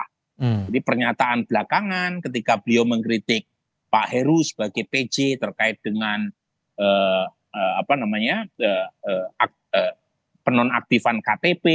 jadi pernyataan belakangan ketika beliau mengkritik pak heru sebagai pj terkait dengan penonaktifan ktp